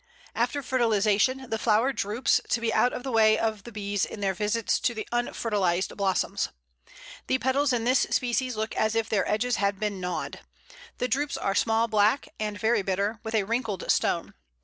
After fertilization the flower droops, to be out of the way of the bees in their visits to the unfertilized blossoms. The petals in this species look as if their edges had been gnawed. The drupes are small, black, and very bitter, with a wrinkled stone.